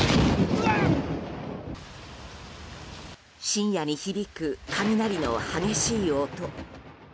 深夜に響く雷の激しい音。